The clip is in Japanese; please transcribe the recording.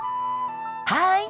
はい！